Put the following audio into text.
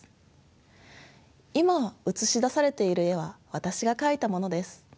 今映し出されている絵は私が描いたものです。